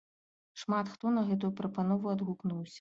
Шмат хто на гэтую прапанову адгукнуўся.